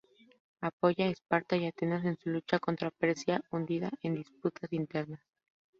Apoya a Esparta y Atenas en su lucha contra Persia hundida en disputas internas.